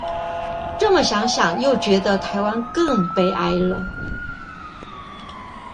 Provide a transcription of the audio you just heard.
這麼想想又覺得台灣更悲哀了